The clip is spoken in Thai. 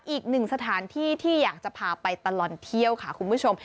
อีกหนึ่งสถานที่ที่อยากจะพาไปตลอดเที่ยวค่ะคุณผู้ชม